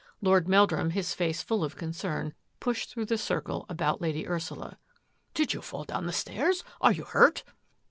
Lord Meldrum, his face full of concern, pushed through the circle about Lady Ursula. " Did you fall down the stairs ? Are you hurt?"